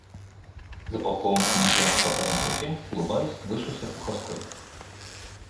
За полковым командиром с бокалом в руке, улыбаясь, вышел и Серпуховской.